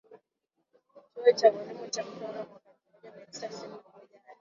chuo cha ualimu cha Mtwara mwaka elfu moja mia tisa tisini na moja hadi